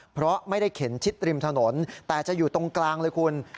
เพราะไม่ได้เข็นชิดริมถนนแต่จะอยู่ตรงกลางเลยคุณ